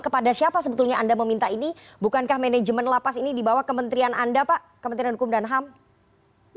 kepada siapa sebetulnya anda meminta ini bukankah manajemen lapas ini dibawa kementerian anda pak kementerian hukum dan ham